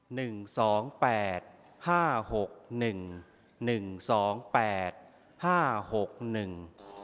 หนึ่งสองแปดห้าหกหนึ่งหนึ่งสองแปดห้าหกหนึ่ง